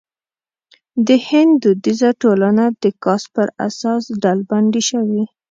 د هند دودیزه ټولنه د کاسټ پر اساس ډلبندي شوې.